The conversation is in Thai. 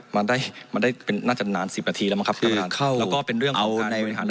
มันได้มันได้เป็นน่าจะนานสิบนาทีแล้วมัติแล้วก็เป็นเรื่องของการบริหาร